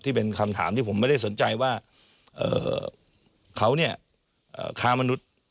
ที่เป็นคำถามที่ผมไม่ได้สนใจว่าเขาเนี่ยค้ามนุษย์